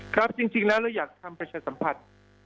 ครับจริงแล้วเราอยากทำประชาสัมพันธ์